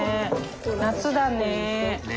夏だね。ね。